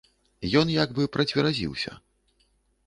Ён як бы працверазіўся.